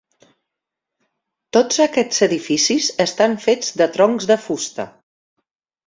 Tots aquests edificis estan fets de troncs de fusta.